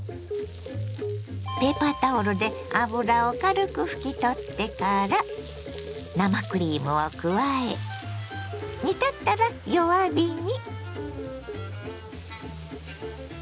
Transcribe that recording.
ペーパータオルで脂を軽く拭き取ってから生クリームを加え煮立ったら弱火に。